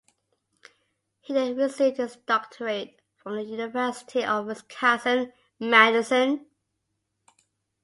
He then received his doctorate from the University of Wisconsin–Madison.